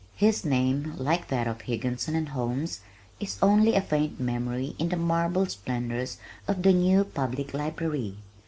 His name like that of Higginson and Holmes is only a faint memory in the marble splendors of the New Public Library.